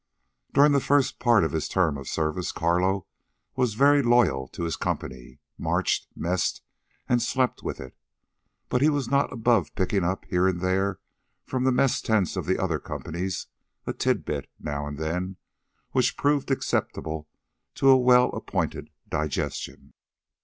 During the first part of his term of service, Carlo was very loyal to his company, marched, messed, and slept with it; but he was not above picking up, here and there, from the mess tents of the other companies a tid bit, now and then, which proved acceptable to a well appointed digestion.